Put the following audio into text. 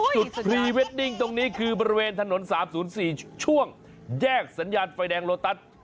พรีเวดดิ้งตรงนี้คือบริเวณถนน๓๐๔ช่วงแยกสัญญาณไฟแดงโลตัส